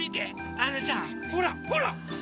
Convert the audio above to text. あのさほらほら！